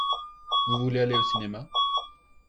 Vous voulez aller au cinéma ?